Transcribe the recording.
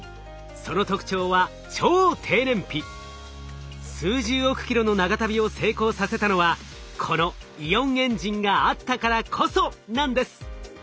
その特徴は数十億キロの長旅を成功させたのはこのイオンエンジンがあったからこそなんです。